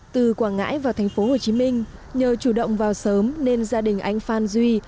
từ quảng ngãi và tp hcm nhờ chủ động vào sớm nên gia đình anh phan duy